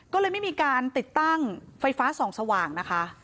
ก็เลยไม่มีการติดตั้งไฟฟ้าส่องสว่างนะคะ